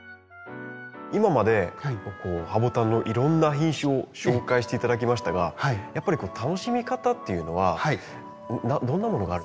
今までハボタンのいろんな品種を紹介して頂きましたがやっぱり楽しみ方っていうのはどんなものがある？